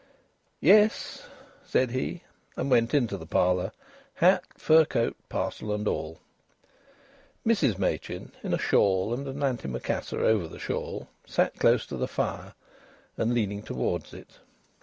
"Yes," said he, and went into the parlour, hat, fur coat, parcel, and all. Mrs Machin, in a shawl and an antimacassar over the shawl, sat close to the fire and leaning towards it.